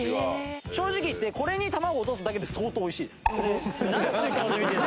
「正直言ってこれに卵を落とすだけで相当美味しいです」